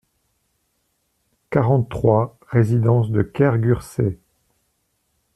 quarante-trois résidence de Kergurset